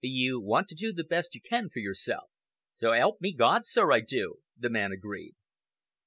"You want to do the best you can for yourself?" "So 'elp me God, sir, I do!" the man agreed.